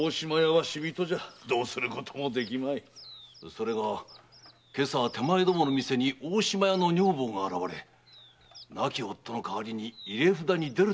それが今朝手前どもの店に大島屋の女房が現れ亡き夫の代わりに入札に出ると申してまいりました。